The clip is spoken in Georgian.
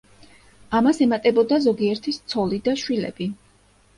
ამას ემატებოდა ზოგიერთის ცოლი და შვილები.